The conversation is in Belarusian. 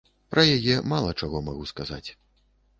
Пра яе мала чаго магу сказаць.